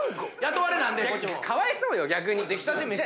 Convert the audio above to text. かわいそうよ逆に。